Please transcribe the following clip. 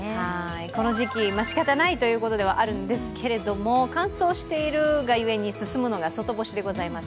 この時期、しかたないということではあるんですけれども乾燥しているがゆえに進むのが外干しでございます。